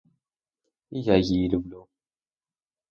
І я її люблю.